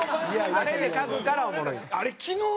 あれで掻くからおもろい。